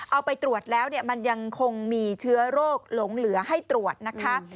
เอาไปตรวจแล้วมันยังคงมีเชื้อโรคหลงเหลือให้ตรวจนะคะ